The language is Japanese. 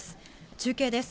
中継です。